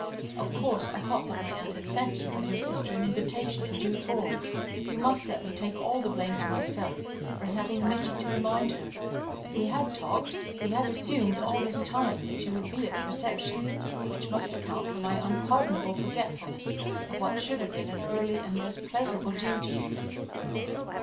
Of course, I thought that my aunt had sent you and your sister an invitation in due form. You must let me take all the blame to myself, for having omitted to remind her; we had talked, we had assumed all this time that you would be at the reception, which must account for my unpardonable forgetfulness of what should have been an early and most pleasurable duty."